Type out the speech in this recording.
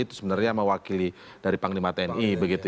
itu sebenarnya mewakili dari panglima tni